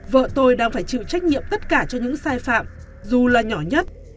vợ tôi đang phải chịu trách nhiệm tất cả cho những sai phạm dù là nhỏ nhất